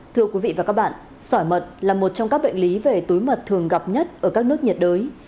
thưa quý vị và các bạn sỏi mật là một trong các bệnh lý về túi mật thường gặp nhất ở các nước nhiệt đới